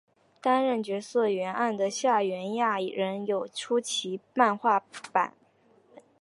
担任角色原案的夏元雅人有出其漫画版本。